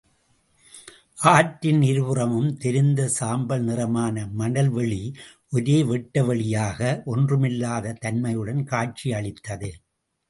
ஆற்றின் இருபுறமும் தெரிந்த சாம்பல் நிறமான மணல்வெளி ஒரே வெட்டவெளியாக, ஒன்றுமில்லாத தன்மையுடன் காட்சியளித்தது.